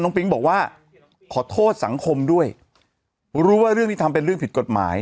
ปิ๊งบอกว่าขอโทษสังคมด้วยรู้ว่าเรื่องที่ทำเป็นเรื่องผิดกฎหมาย